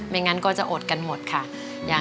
งั้นก็จะอดกันหมดค่ะ